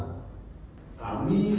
sebagai calon presiden